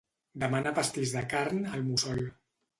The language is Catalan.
Demana pastís de carn al Mussol.